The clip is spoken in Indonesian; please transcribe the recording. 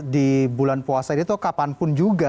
di bulan puasa itu kapanpun juga